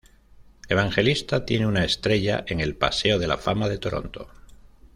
Evangelista tiene una estrella en el "Paseo de la Fama" de Toronto.